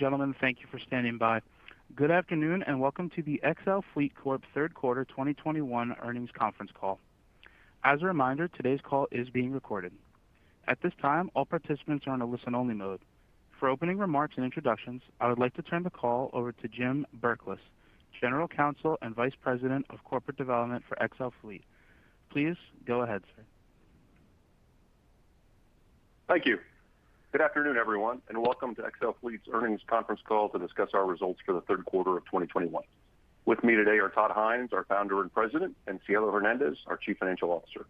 Gentlemen, thank you for standing by. Good afternoon, and welcome to the XL Fleet Corp third quarter 2021 earnings conference call. As a reminder, today's call is being recorded. At this time, all participants are in a listen-only mode. For opening remarks and introductions, I would like to turn the call over to Jim Berklas, General Counsel and Vice President of Corporate Development for XL Fleet. Please go ahead, sir. Thank you. Good afternoon, everyone, and welcome to XL Fleet's earnings conference call to discuss our results for the third quarter of 2021. With me today are Tod Hynes, our Founder and President, and Cielo Hernandez, our Chief Financial Officer.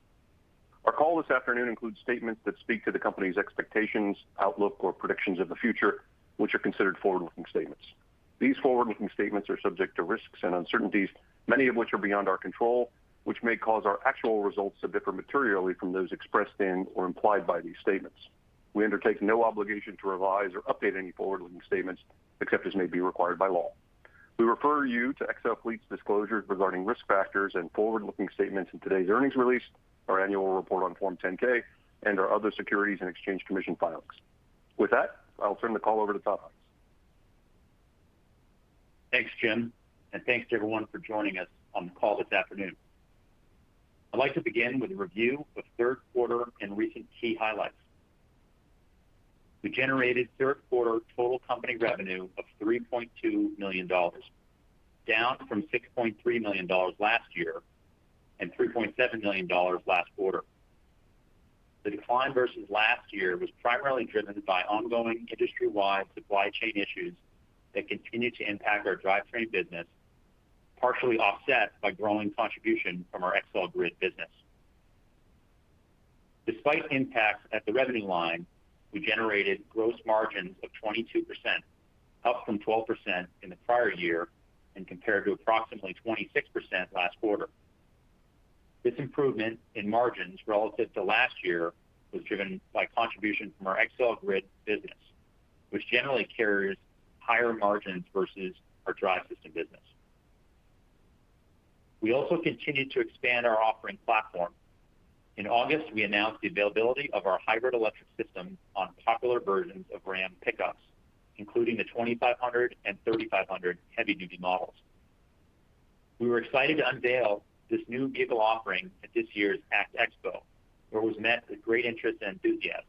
Our call this afternoon includes statements that speak to the company's expectations, outlook or predictions of the future, which are considered forward-looking statements. These forward-looking statements are subject to risks and uncertainties, many of which are beyond our control, which may cause our actual results to differ materially from those expressed in or implied by these statements. We undertake no obligation to revise or update any forward-looking statements except as may be required by law. We refer you to XL Fleet's disclosures regarding risk factors and forward-looking statements in today's earnings release, our annual report on Form 10-K, and our other Securities and Exchange Commission filings. With that, I'll turn the call over to Tod Hynes. Thanks, Jim Berklas, and thanks to everyone for joining us on the call this afternoon. I'd like to begin with a review of third quarter and recent key highlights. We generated third quarter total company revenue of $3.2 million, down from $6.3 million last year and $3.7 million last quarter. The decline versus last year was primarily driven by ongoing industry-wide supply chain issues that continue to impact our drivetrain business, partially offset by growing contribution from our XL Grid business. Despite impacts at the revenue line, we generated gross margins of 22%, up from 12% in the prior year and compared to approximately 26% last quarter. This improvement in margins relative to last year was driven by contribution from our XL Grid business, which generally carries higher margins versus our drive system business. We also continued to expand our offering platform. In August, we announced the availability of our hybrid electric system on popular versions of Ram pickups, including the 2,500 and 3,500 heavy-duty models. We were excited to unveil this new vehicle offering at this year's ACT Expo, where it was met with great interest and enthusiasm.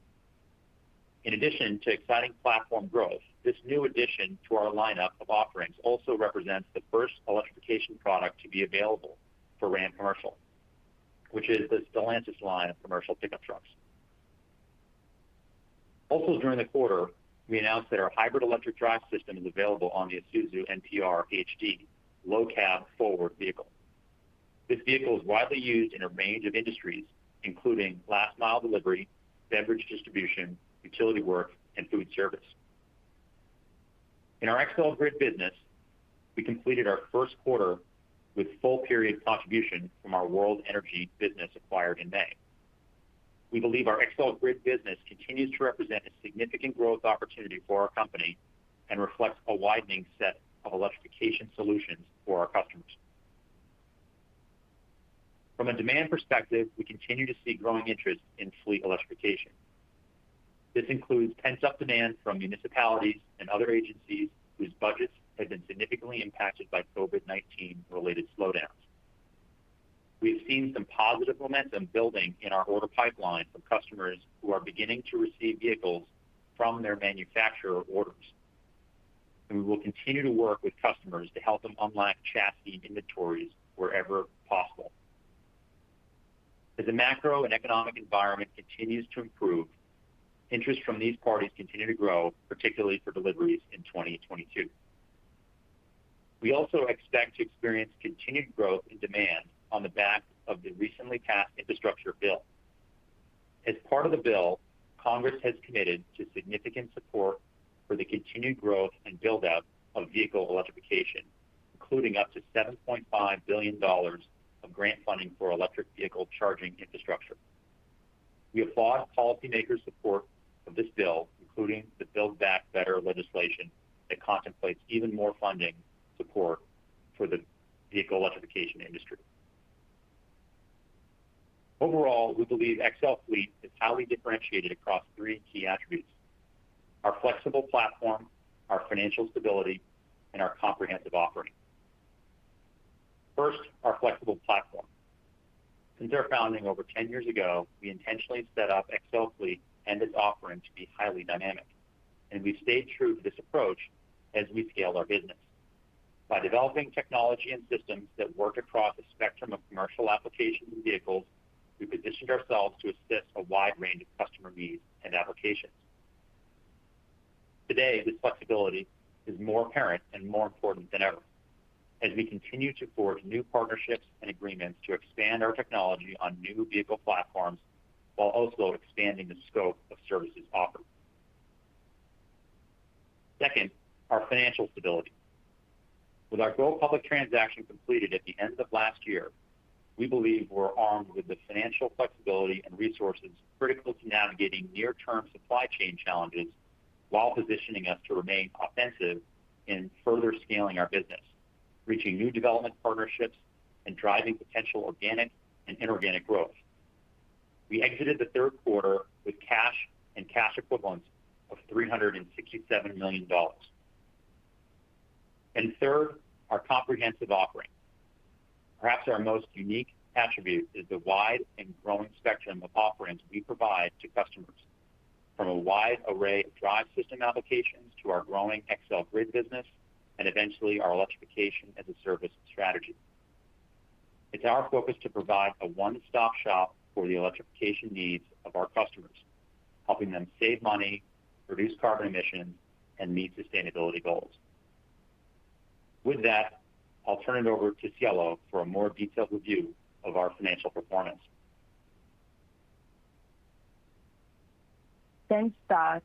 In addition to exciting platform growth, this new addition to our lineup of offerings also represents the first electrification product to be available for Ram Commercial, which is the Stellantis line of commercial pickup trucks. Also during the quarter, we announced that our hybrid electric drive system is available on the Isuzu NPR-HD low-cab-forward vehicle. This vehicle is widely used in a range of industries, including last mile delivery, beverage distribution, utility work, and food service. In our XL Grid business, we completed our first quarter with full period contribution from our World Energy business acquired in May. We believe our XL Grid business continues to represent a significant growth opportunity for our company and reflects a widening set of electrification solutions for our customers. From a demand perspective, we continue to see growing interest in fleet electrification. This includes pent-up demand from municipalities and other agencies whose budgets have been significantly impacted by COVID-19 related slowdowns. We've seen some positive momentum building in our order pipeline from customers who are beginning to receive vehicles from their manufacturer orders. We will continue to work with customers to help them unlock chassis inventories wherever possible. As the macro and economic environment continues to improve, interest from these parties continue to grow, particularly for deliveries in 2022. We also expect to experience continued growth in demand on the back of the recently passed infrastructure bill. As part of the bill, Congress has committed to significant support for the continued growth and build-out of vehicle electrification, including up to $7.5 billion of grant funding for electric vehicle charging infrastructure. We applaud policymakers' support of this bill, including the Build Back Better legislation that contemplates even more funding support for the vehicle electrification industry. Overall, we believe XL Fleet is highly differentiated across three key attributes. Our flexible platform, our financial stability, and our comprehensive offering. First, our flexible platform. Since our founding over 10 years ago, we intentionally set up XL Fleet and its offering to be highly dynamic, and we've stayed true to this approach as we scale our business. By developing technology and systems that work across a spectrum of commercial applications and vehicles, we positioned ourselves to assist a wide range of customer needs and applications. Today, this flexibility is more apparent and more important than ever as we continue to forge new partnerships and agreements to expand our technology on new vehicle platforms while also expanding the scope of services offered. Second, our financial stability. With our go public transaction completed at the end of last year, we believe we're armed with the financial flexibility and resources critical to navigating near-term supply chain challenges while positioning us to remain offensive in further scaling our business, reaching new development partnerships, and driving potential organic and inorganic growth. We exited the third quarter with cash and cash equivalents of $367 million. Third, our comprehensive offering. Perhaps our most unique attribute is the wide and growing spectrum of offerings we provide to customers, from a wide array of drive system applications to our growing XL Grid business, and eventually our electrification as a service strategy. It's our focus to provide a one-stop shop for the electrification needs of our customers, helping them save money, reduce carbon emissions, and meet sustainability goals. With that, I'll turn it over to Cielo Hernandez for a more detailed review of our financial performance. Thanks, Tod.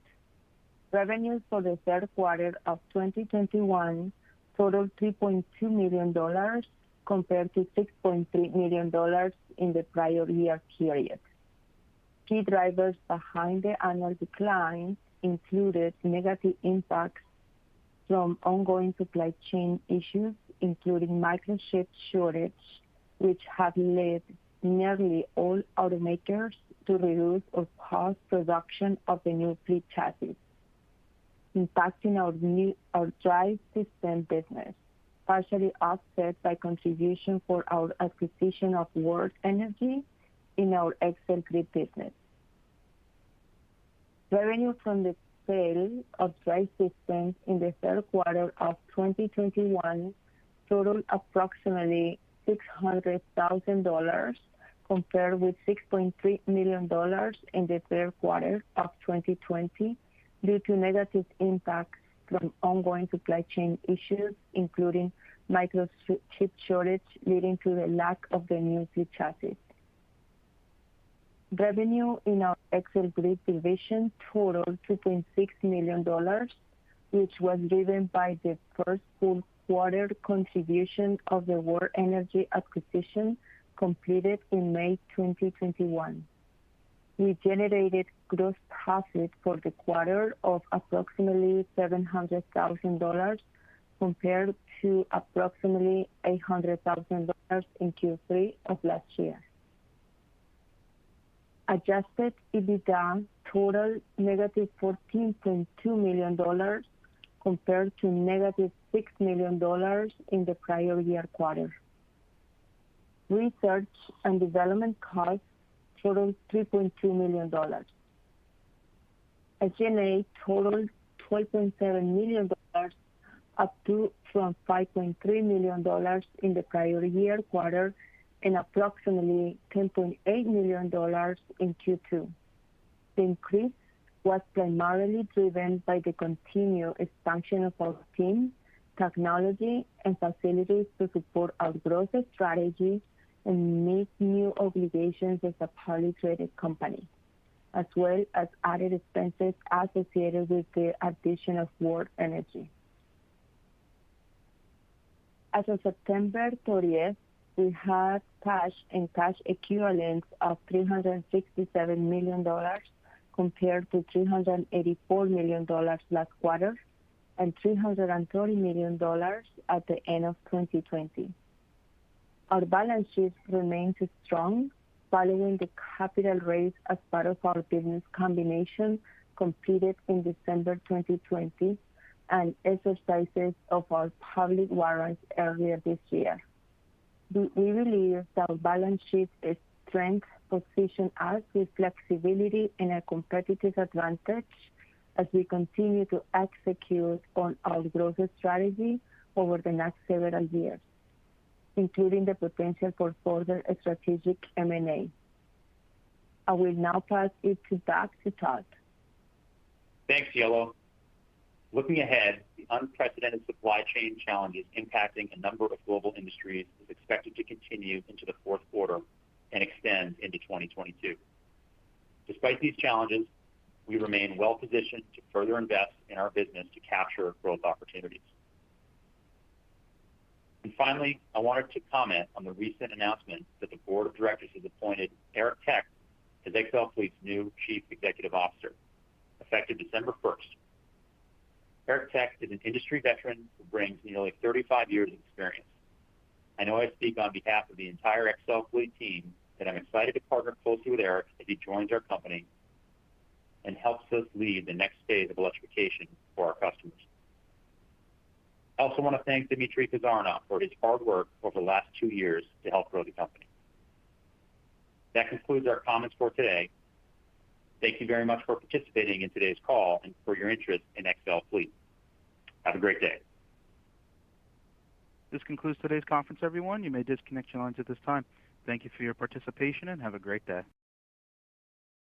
Revenues for the third quarter of 2021 totaled $3.2 million compared to $6.3 million in the prior year period. Key drivers behind the annual decline included negative impacts from ongoing supply chain issues, including microchip shortage, which have led nearly all automakers to reduce or pause production of the new fleet chassis, impacting our drive system business, partially offset by contributions from our acquisition of World Energy in our XL Grid business. Revenue from the sale of drive systems in the third quarter of 2021 totaled approximately $600,000 compared with $6.3 million in the third quarter of 2020 due to negative impacts from ongoing supply chain issues, including microchip shortage leading to the lack of the new fleet chassis. Revenue in our XL Grid division totaled $2.6 million, which was driven by the first full quarter contribution of the World Energy acquisition completed in May 2021. We generated gross profit for the quarter of approximately $700,000 compared to approximately $800,000 in Q3 of last year. Adjusted EBITDA totaled $-14.2 million compared to $-6 million in the prior year quarter. Research and development costs totaled $3.2 million. SG&A totaled $12.7 million, from $5.3 million in the prior year quarter and approximately $10.8 million in Q2. The increase was primarily driven by the continued expansion of our team, technology, and facilities to support our growth strategy and meet new obligations as a publicly traded company, as well as added expenses associated with the addition of World Energy. As of September 30, we had cash and cash equivalents of $367 million compared to $384 million last quarter and $330 million at the end of 2020. Our balance sheet remains strong following the capital raise as part of our business combination completed in December 2020 and exercises of our public warrants earlier this year. We believe that our balance sheet strength positions us with flexibility and a competitive advantage as we continue to execute on our growth strategy over the next several years, including the potential for further strategic M&A. I will now pass it back to Tod Hynes. Thanks, Cielo Hernandez. Looking ahead, the unprecedented supply chain challenges impacting a number of global industries is expected to continue into the fourth quarter and extend into 2022. Despite these challenges, we remain well-positioned to further invest in our business to capture growth opportunities. Finally, I wanted to comment on the recent announcement that the board of directors has appointed Eric Tech as XL Fleet's new Chief Executive Officer, effective December 1. Eric Tech is an industry veteran who brings nearly 35 years of experience. I know I speak on behalf of the entire XL Fleet team that I'm excited to partner closely with Eric as he joins our company and helps us lead the next phase of electrification for our customers. I also want to thank Dimitri Kazarinoff for his hard work over the last two years to help grow the company. That concludes our comments for today. Thank you very much for participating in today's call and for your interest in XL Fleet. Have a great day. This concludes today's conference, everyone, you may disconnect your lines at this time. Thank you for your participation, and have a great day.